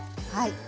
はい。